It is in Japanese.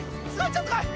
ちょっと来い！